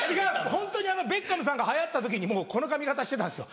ホントにベッカムさんが流行った時にもうこの髪形してたんですよ。